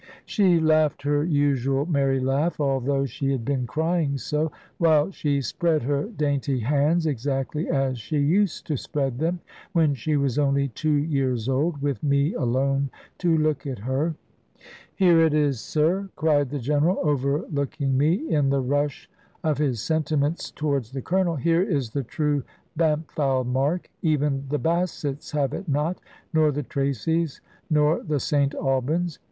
She laughed her usual merry laugh (although she had been crying so) while she spread her dainty hands, exactly as she used to spread them, when she was only two years old, with me alone to look at her. "Here it is, sir," cried the General, overlooking me, in the rush of his sentiments towards the Colonel: "here is the true Bampfylde mark. Even the Bassets have it not, nor the Traceys, nor the St Albyns.